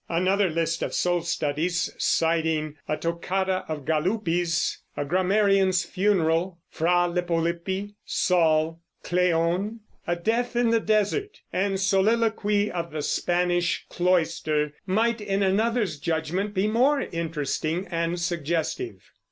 Another list of soul studies, citing "A Toccata of Galuppi's," "A Grammarian's Funeral," "Fra Lippo Lippi," "Saul," "Cleon," "A Death in the Desert," and "Soliloquy of the Spanish Cloister," might, in another's judgment, be more interesting and suggestive.